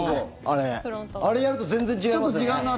あれやると全然違いますよね。